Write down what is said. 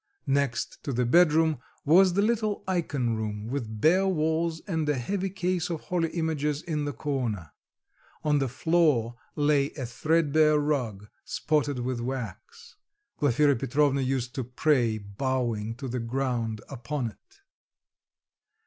Next to the bedroom was the little ikon room with bare walls and a heavy case of holy images in the corner; on the floor lay a threadbare rug spotted with wax; Glafira Petrovna used to pray bowing to the ground upon it.